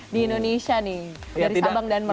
di indonesia nih dari sabang dan malang